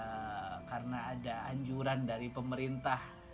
karena ada anjuran dari pemerintah